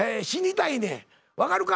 分かるか？